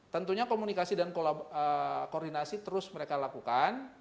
tentunya komunikasi dan koordinasi terus mereka lakukan